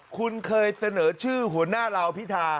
คุณเคยเสนอชื่อหัวหน้าลาวพิธา